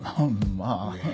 まあ。